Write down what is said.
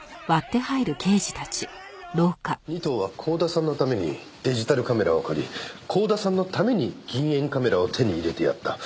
仁藤は光田さんのためにデジタルカメラを借り光田さんのために銀塩カメラを手に入れてやった。